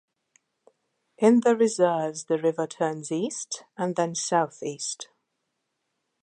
In the reserves the river turns east, and then south east.